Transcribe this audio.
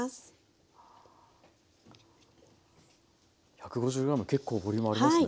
１５０ｇ結構ボリュームありますね。